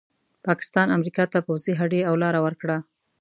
پاکستان امریکا ته پوځي هډې او لاره ورکړه.